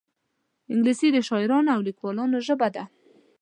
انګلیسي د شاعرانو او لیکوالانو ژبه ده